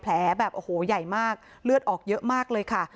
แบบโอ้โหใหญ่มากเลือดออกเยอะมากเลยค่ะ